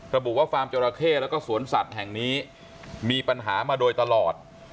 ระบุว่าฟาร์มจราเข้แล้วก็สวนสัตว์แห่งนี้มีปัญหามาโดยตลอด